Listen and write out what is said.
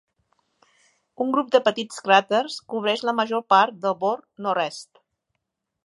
Un grup de petits cràters cobreix la major part del bord nord-est.